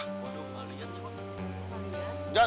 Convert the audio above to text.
waduh malu ya tuhan